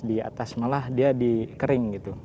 di atas malah dia di kering gitu